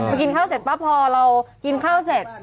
พอกินข้าวเสร็จปั๊บพอเรากินข้าวเสร็จ